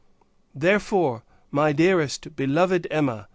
Therefore, my dearest beloved Emma!